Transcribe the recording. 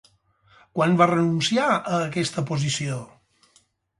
Quan va renunciar a aquesta posició?